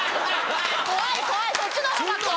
怖い怖いそっちのほうが怖い。